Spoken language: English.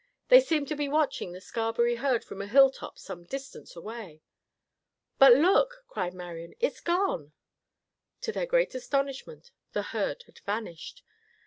They seemed to be watching the Scarberry herd from a hilltop some distance away." "But look!" cried Marian. "It's gone!" To their great astonishment, the herd had vanished.